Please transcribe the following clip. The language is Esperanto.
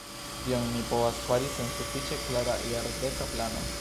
Tion ni ne povas fari sen sufiĉe klara jardeka plano.